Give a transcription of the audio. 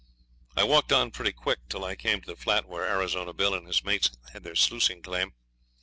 I walked on pretty quick till I came to the flat where Arizona Bill and his mates had their sluicing claim.